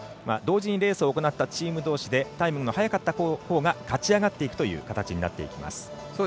同時にレースを行ったチームどうしでタイムの速かったほうが勝ち上がっていくという形になっていきます。